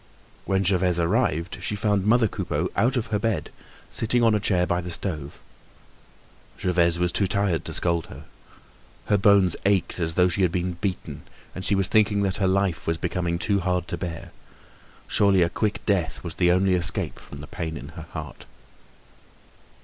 When Gervaise arrived, she found mother Coupeau out of her bed, sitting on a chair by the stove. Gervaise was too tired to scold her. Her bones ached as though she had been beaten and she was thinking that her life was becoming too hard to bear. Surely a quick death was the only escape from the pain in her heart.